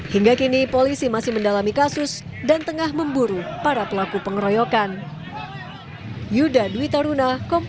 hingga kini polisi masih mendalami kasus dan tengah memburu para pelaku pengeroyokan